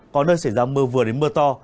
có nơi xảy ra mưa vừa đến mưa to